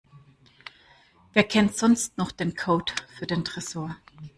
Wer kennt sonst noch den Code für den Tresor?